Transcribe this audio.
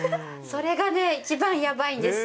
それがね、一番やばいんです。